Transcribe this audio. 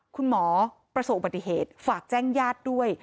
คุณหมอประสบอุบัติเหตุฝากแจ้งญาติด้วย